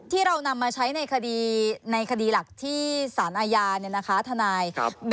ที่เรานำมาใช้ในคดีหลักที่สารอาญาธนาย